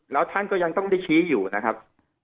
แล้วท่านก็ยังต้องได้ชี้อยู่นะครับ